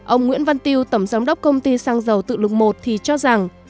ông nguyễn văn tiêu tổng giám đốc công ty săng dầu tự lực i thì cho rằng